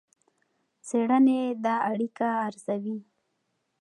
څېړنې دا اړیکه ارزوي.